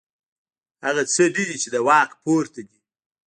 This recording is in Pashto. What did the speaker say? هغه څه نه دي چې له واک پورته دي.